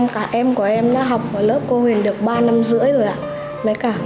cả em của em đã học ở lớp cô huyền được ba năm rưỡi rồi ạ